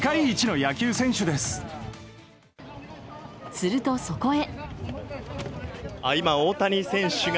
すると、そこへ。